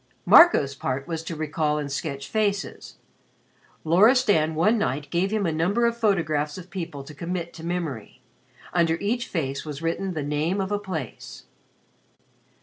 Marco's part was to recall and sketch faces. Loristan one night gave him a number of photographs of people to commit to memory. Under each face was written the name of a place.